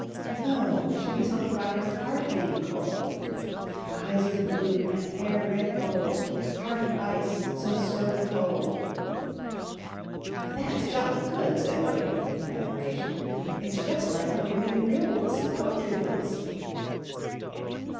"No. It should be something about her heart being cold. "Eyes of blue and hair red gold, _Heart of ice so stony cold _" "That's jolly good!" said William with admiration. "It's just like what you read in real books poetry books!"